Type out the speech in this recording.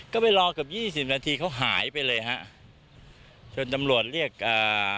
ก็ไปรอเกือบยี่สิบนาทีเขาหายไปเลยฮะจนตำรวจเรียกอ่า